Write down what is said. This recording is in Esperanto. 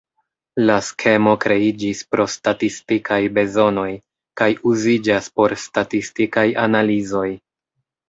La skemo kreiĝis pro statistikaj bezonoj kaj uziĝas por statistikaj analizoj.